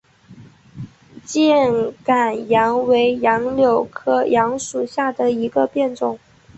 箭杆杨为杨柳科杨属下的一个变种。